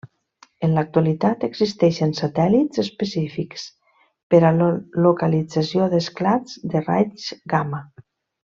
En l'actualitat existeixen satèl·lits específics per a la localització d'esclats de raigs gamma.